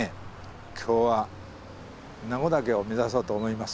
今日は名護岳を目指そうと思います。